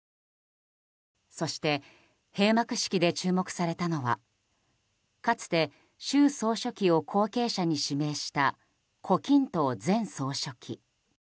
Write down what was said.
そして、閉幕式で注目されたのはかつて、習総書記を後継者に指名した胡錦涛前総書記。